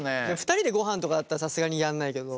２人でごはんとかだったらさすがにやんないけど。